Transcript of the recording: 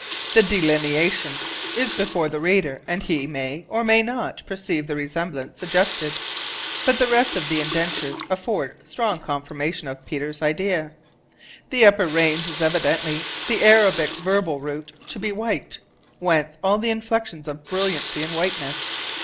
The delineation is before the reader, and he may, or may not, perceive the resemblance suggested; but the rest of the indentures afford strong confirmation of Peters' idea. The upper range is evidently the Arabic verbal root "To be white," whence all the inflections of brilliancy and whiteness.